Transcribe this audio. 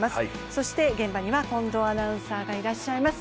そして、現場には近藤アナウンサーがいらっしゃいます。